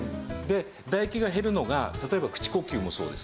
唾液が減るのが例えば口呼吸もそうです。